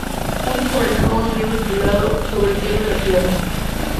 Juntos publicaron un libro titulado "Sobre el cielo y la tierra".